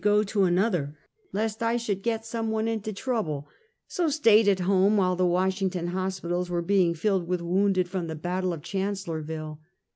go to another, lest I should get some one into trouble; so stayed at home while the "Washington hospitals were being filled with wounded from the battle of Chancellorville.